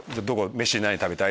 飯何食べたい？